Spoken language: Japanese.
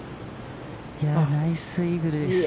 ナイスイーグルです。